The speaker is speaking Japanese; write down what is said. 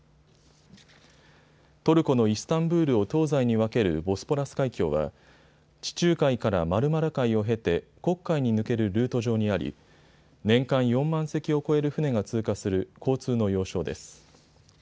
トルコのイスタンブールを東西に分けるボスポラス海峡は地中海からマルマラ海を経て黒海に抜けるルート上にあり年間４万隻を超える船が通過する交通の要衝です。